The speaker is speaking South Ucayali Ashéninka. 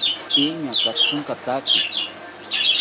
Iñaa katsinkataki